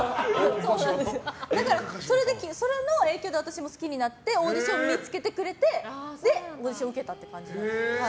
だからそれの影響で私も好きになってオーディションを見つけてくれてそれで受けたっていう感じです。